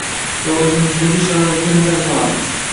yo o‘zimizdagi sharoitga nazar solamiz